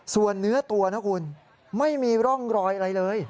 ส่วนเนื้อตัวนะคุณไม่มีร่องรอยอะไรเลย